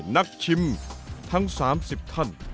นักชิมทั้งสามสิบท่าน